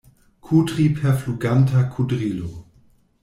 Kudri per fluganta kudrilo.